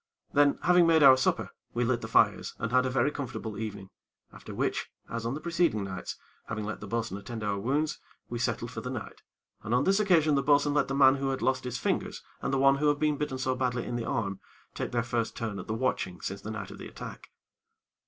Then, having made our supper, we lit the fires, and had a very comfortable evening, after which, as on the preceding nights, having let the bo'sun attend our wounds, we settled for the night, and on this occasion the bo'sun let the man who had lost his fingers, and the one who had been bitten so badly in the arm, take their first turn at the watching since the night of the attack.